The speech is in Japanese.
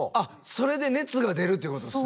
それで熱が出るということですね。